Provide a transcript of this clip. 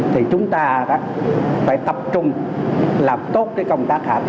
thì chúng ta phải tập trung làm tốt